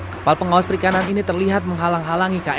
kapal pengawas perikanan ini terlihat menghalang halangi